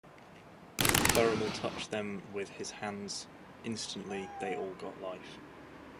Thirumal touched them with his hands, instantly they all got life.